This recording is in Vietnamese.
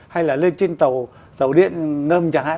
hay là lên trên tàu điện ngâm chẳng hạn